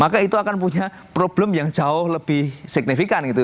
maka itu akan punya problem yang jauh lebih signifikan gitu